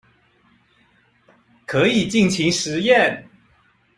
可以盡情實驗